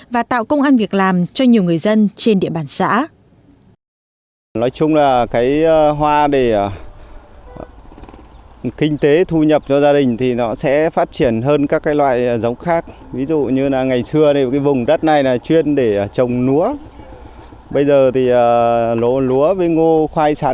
và tạo công an việc làm cho nhiều người dân trên địa bàn xã